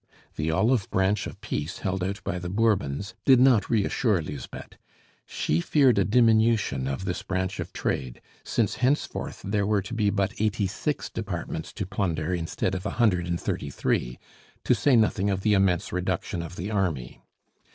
The olive branch of peace held out by the Bourbons did not reassure Lisbeth; she feared a diminution of this branch of trade, since henceforth there were to be but eighty six Departments to plunder, instead of a hundred and thirty three, to say nothing of the immense reduction of the army.